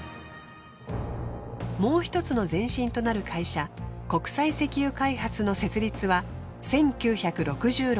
もう１つの前身となる会社国際石油開発の設立は１９６６年。